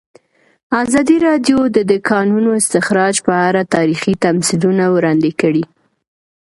ازادي راډیو د د کانونو استخراج په اړه تاریخي تمثیلونه وړاندې کړي.